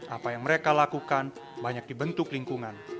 apa yang mereka lakukan banyak dibentuk lingkungan